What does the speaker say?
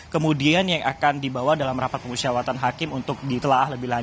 kemudian yang akan dibawa dalam rapat pengusiawatan hakim untuk ditelah